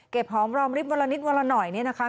หอมรอมริบวันละนิดวันละหน่อยเนี่ยนะคะ